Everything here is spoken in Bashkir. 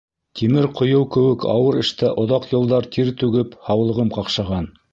Тимер ҡойоу кеүек ауыр эштә оҙаҡ йылдар тир түгеп, һаулығым ҡаҡшаған.